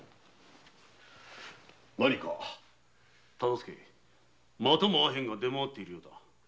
忠相またもアヘンが出回っているようだ。